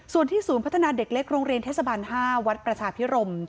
ส่วนที่ศูนย์พัฒนาเด็กเล็กโรงเรียนเทศบาล๕วัดประชาพิรม